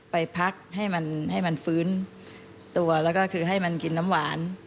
ไปพักให้มันให้มันฟื้นตัวแล้วก็คือให้มันกินน้ำหวาน